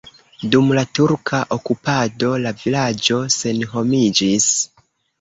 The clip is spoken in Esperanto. Dum la turka okupado la vilaĝo senhomiĝis.